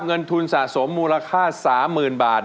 เงินทุนสะสมมูลค่า๓๐๐๐บาท